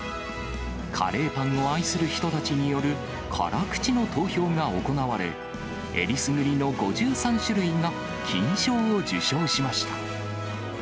カレーパンを愛する人たちによる辛口の投票が行われ、えりすぐりの５３種類が金賞を受賞しました。